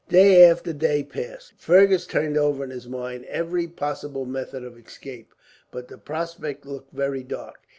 Day after day passed. Fergus turned over in his mind every possible method of escape, but the prospect looked very dark.